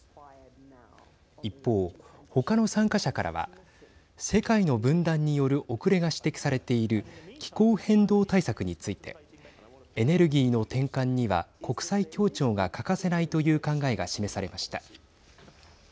一方、他の参加者からは世界の分断による遅れが指摘されている気候変動対策についてエネルギーの転換には国際協調が欠かせないという考えが示されました。